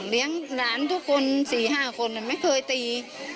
เลี้ยงหลานทุกคน๔๕คนไม่เคยตี